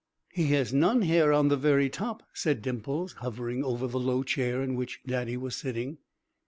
"He has none hair on the very top," said Dimples, hovering over the low chair in which Daddy was sitting.